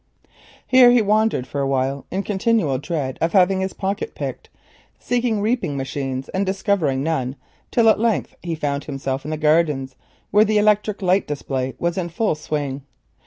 Here he wandered for a while in continual dread of having his pocket picked, seeking reaping machines and discovering none, till at length he found himself in the gardens, where the electric light display was in full swing.